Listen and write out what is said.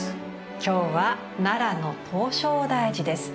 今日は奈良の唐招提寺です。